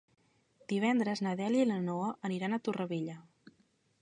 Divendres na Dèlia i na Noa aniran a Torrevella.